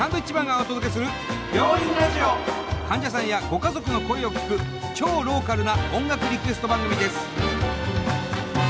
患者さんやご家族の声を聞く超ローカルな音楽リクエスト番組です。